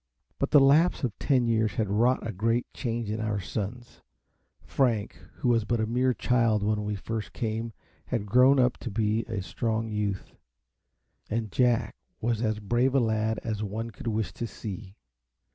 But the lapse of ten years had wrought a great change in our sons. Frank, who was but a mere child when we first came, had grown up to be a strong youth; and Jack was as brave a lad as one could wish to see.